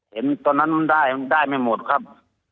เห็นตอนนั้นมันได้มันได้ไม่หมดครับ